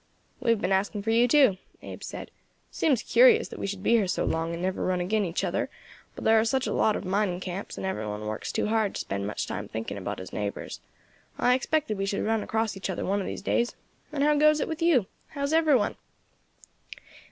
"We have been asking for you too," Abe said. "It seems curious that we should be here so long and never run agin each other; but there are such a lot of mining camps, and every one works too hard to spend much time thinking about his neighbours. I expected we should run across each other one of these days. And how goes it with you? How's every one?"